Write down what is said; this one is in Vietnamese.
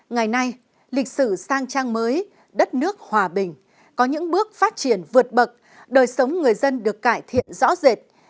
ngày nay lịch sử sang trang mới đất nước hòa bình có những bước phát triển vượt bậc đời sống người dân được cải thiện rõ rệt